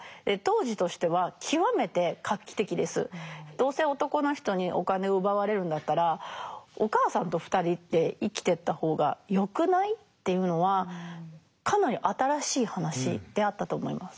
どうせ男の人にお金を奪われるんだったらお母さんと２人で生きてった方がよくない？っていうのはかなり新しい話であったと思います。